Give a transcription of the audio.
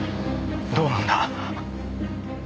どうなんだ？